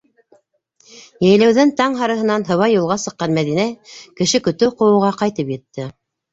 Йәйләүҙән таң һарыһынан һыбай юлға сыҡҡан Мәҙинә кеше көтөү ҡыуыуға ҡайтып етте.